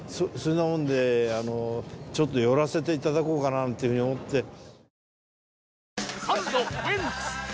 それなもんでちょっと寄らせて頂こうかななんていうふうに思って。